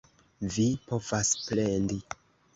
Vi povas plendi!